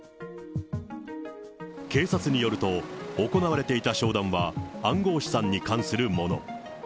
警察によると、行われていた商談は暗号資産に関するもの。